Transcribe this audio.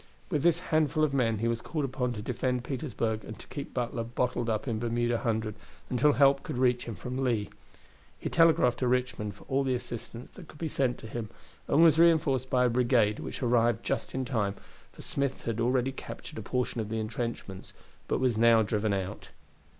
With this handful of men he was called upon to defend Petersburg and to keep Butler bottled up in Bermuda Hundred until help could reach him from Lee. He telegraphed to Richmond for all the assistance that could be sent to him, and was reinforced by a brigade, which arrived just in time, for Smith had already captured a portion of the intrenchments, but was now driven out.